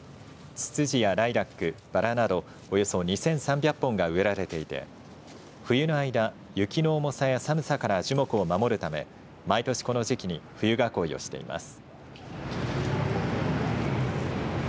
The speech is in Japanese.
つつじやライラックばらなど、およそ２３００本が植えられていて冬の間、雪の重さや寒さから樹木を守るため毎年この時期に冬囲いをしています。